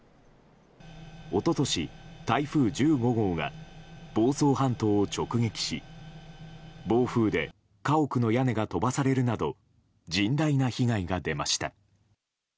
一昨年、台風１５号が房総半島を直撃し暴風で家屋の屋根が飛ばされるなど甚大な被害が出ました。